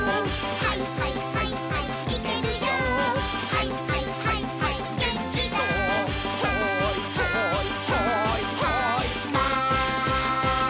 「はいはいはいはいマン」